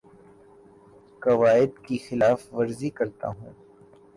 قوائد کی خلاف ورزی کرتا ہوں